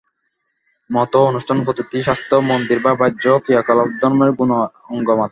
মত, অনুষ্ঠান-পদ্ধতি, শাস্ত্র, মন্দির বা বাহ্য ক্রিয়াকলাপ ধর্মের গৌণ অঙ্গ মাত্র।